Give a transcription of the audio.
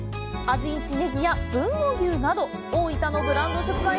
味一ねぎや豊後牛など大分のブランド食材